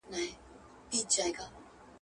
بیا دي نوم نه یادومه ځه ورځه تر دکن تېر سې.